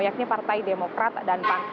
yakni partai demokrat dan pan